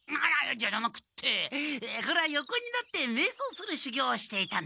じゃなくてこれは横になってめいそうするしゅぎょうをしていたのだ。